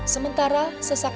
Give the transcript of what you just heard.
sementara sesaknya nangis